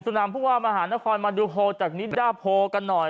นามผู้ว่ามหานครมาดูโพลจากนิดดาโพกันหน่อย